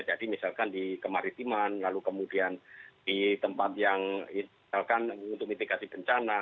jadi misalkan di kemaritiman lalu kemudian di tempat yang misalkan untuk mitigasi bencana